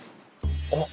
あっ！